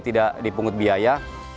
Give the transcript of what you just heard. tidak dipungut biaya